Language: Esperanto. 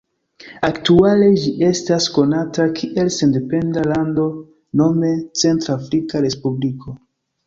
Aktuale ĝi estas konata kiel sendependa lando nome Centr-Afrika Respubliko.